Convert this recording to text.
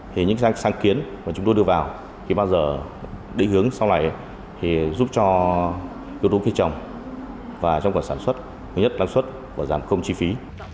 thì những sáng kiến mà chúng tôi đưa vào khi bao giờ định hướng sau này thì giúp cho yếu tố khi trồng và trong khoản sản xuất nhất là sản xuất và giảm không chi phí